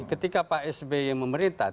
ketika pak sbi memerintah